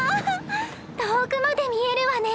遠くまで見えるわね。